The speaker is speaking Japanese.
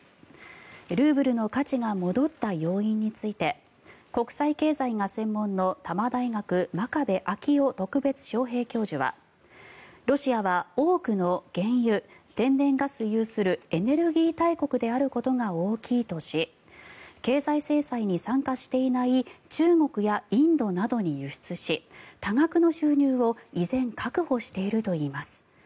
ルーブルの価値が戻った要因について国際経済が専門の多摩大学真壁昭夫特別招へい教授はロシアは多くの原油、天然ガス有するエネルギー大国であることが大きいとし経済制裁に参加していない中国やインドなどに輸出し多額の収入を依然、確保しているといいます。